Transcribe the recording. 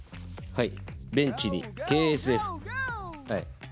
はい。